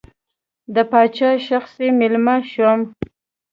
د پاچا شخصي مېلمه شوم.